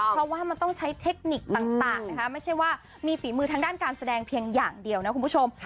เพราะว่ามันต้องใช้เทคนิคต่างนะคะไม่ใช่ว่ามีฝีมือทางด้านการแสดงเพียงอย่างเดียวนะคุณผู้ชม